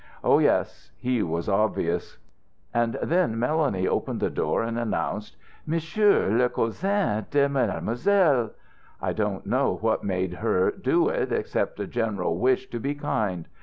Oh yes he was obvious! "And then Mélanie opened the door and announced, 'Monsieur, le cousin de Mademoiselle.' I don't know what made her do it except a general wish to be kind.